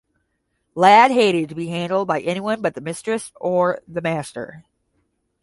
Lad hated to be handled by anyone but the mistress or the master.